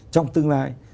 trong tương lai